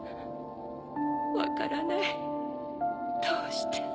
分からないどうして？